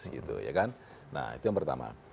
nah itu yang pertama